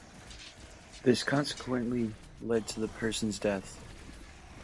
This consequently lead to the person's death.